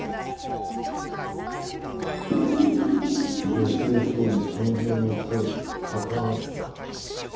女性総理誕生の声高まるか。